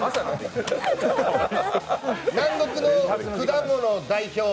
南国の果物代表。